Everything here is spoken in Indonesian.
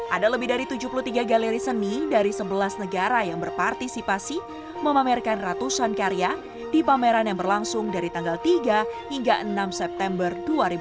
ada lebih dari tujuh puluh tiga galeri seni dari sebelas negara yang berpartisipasi memamerkan ratusan karya di pameran yang berlangsung dari tanggal tiga hingga enam september dua ribu dua puluh